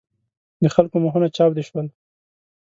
د خلکو مخونه چاودې شول.